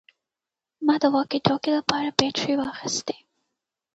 ما د واکي ټاکي لپاره بیټرۍ واخیستې